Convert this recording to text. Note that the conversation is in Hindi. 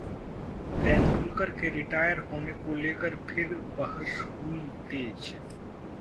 तेंदुलकर के रिटायर होने को लेकर फिर बहस हुई तेज